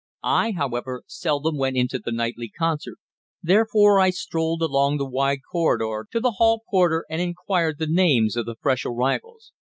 I, however, seldom went into the nightly concert; therefore I strolled along the wide corridor to the hall porter, and inquired the names of the fresh arrivals.